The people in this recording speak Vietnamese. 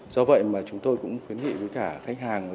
do vậy mà chúng tôi cũng khuyến nghị với cả khách hàng